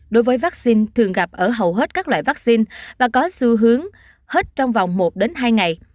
đối với vaccine thường gặp ở hầu hết các loại vaccine và có xu hướng hết trong vòng một hai ngày